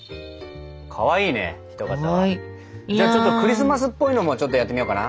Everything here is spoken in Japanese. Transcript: じゃあちょっとクリスマスっぽいのもちょっとやってみようかな。